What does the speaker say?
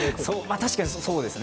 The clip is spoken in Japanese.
確かにそうですね。